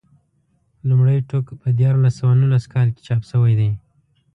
لومړی ټوک په دیارلس سوه نولس کال کې چاپ شوی دی.